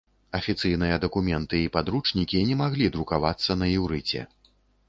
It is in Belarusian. Афіцыйныя дакументы і падручнікі не маглі друкавацца на іўрыце.